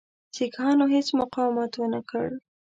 سیکهانو هیڅ مقاومت ونه کړ.